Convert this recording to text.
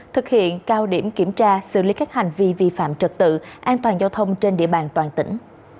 thực hiện cao điểm kiểm tra xử lý các hành vi vi phạm trật tự an toàn giao thông trên địa bàn toàn tỉnh